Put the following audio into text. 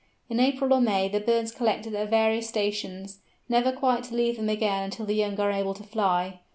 In April or May the birds collect at their various stations, never quite to leave them again until the young are able to fly.